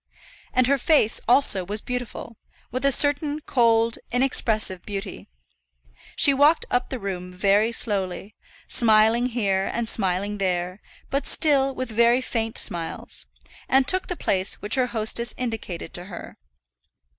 And her face, also, was beautiful, with a certain cold, inexpressive beauty. She walked up the room very slowly, smiling here and smiling there; but still with very faint smiles, and took the place which her hostess indicated to her.